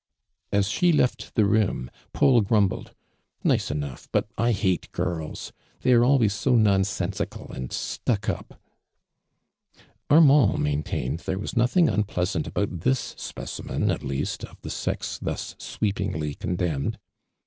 As she left the room. Paul grumbled. " Nice enough, but 1 hate girls ! The^ t re always so nonsensical and stuck up !" Arman<l maintained there w.as nothing unj)leasant about this specimen at least, of the sex thus sweepingly condemned.